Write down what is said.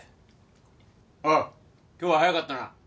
おう今日は早かったな。